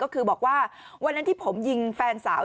ก็คือบอกว่าวันนั้นที่ผมยิงแฟนสาว